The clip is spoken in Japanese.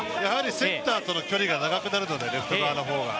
セッターとの距離が長くなるので、レフト側の方が。